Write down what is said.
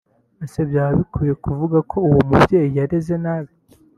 Ese byaba bikwiriye kuvuga ko uwo mubyeyi yareze nabi